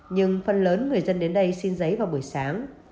nhưng phần lớn người dân đến đây xin giấy vào buổi sáng